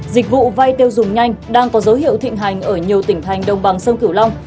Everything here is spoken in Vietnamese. dịch vụ vai tiêu dùng nhanh đang có dấu hiệu thịnh hành ở nhiều tỉnh thành đồng bằng sông cửu long